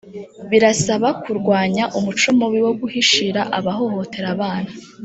birasaba kurwanya umuco mubi wo guhishira abahohotera abana